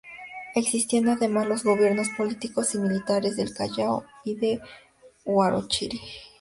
Existían además los gobiernos políticos y militares del Callao y de Huarochirí.